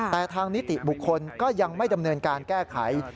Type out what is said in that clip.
แต่ทางนิติบุคคลก็ยังไม่ดำเนินการแก้ไข